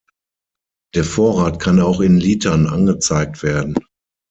Der Vorrat kann auch in Litern angezeigt werden.